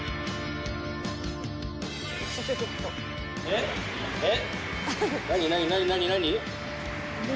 えっ？えっ？